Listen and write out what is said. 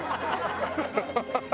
ハハハハ！